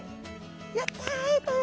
やった会えたよ！